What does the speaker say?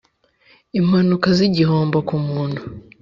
impanuka z’ igihombo ku muntu